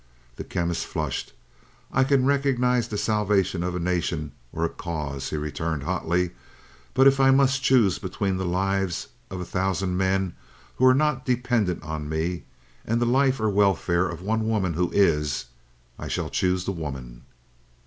The Chemist flushed. "I can recognize the salvation of a nation or a cause," he returned hotly, "but if I must choose between the lives of a thousand men who are not dependent on me, and the life or welfare of one woman who is, I shall choose the woman."